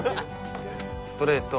ストレート